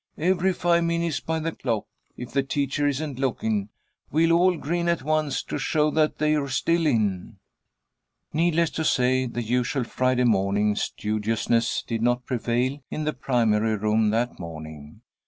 Every five minutes by the clock, if the teacher isn't lookin', we'll all grin at onct to show that they're still in." Needless to say, the usual Friday morning studiousness did not prevail in the primary room that morning.